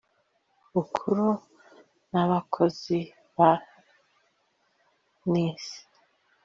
bukuru n abakozi ba nisr